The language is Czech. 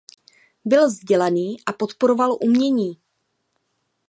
Byl vzdělaný a podporoval umění.